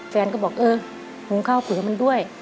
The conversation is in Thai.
แฟนก็บอกเออหุงข้าวปุ๋ยมันด้วย